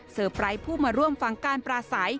เสิร์ฟไลน์ผู้มาร่วมฟังการปลาใส